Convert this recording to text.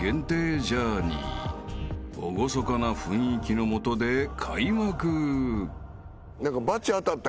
［厳かな雰囲気の下で開幕］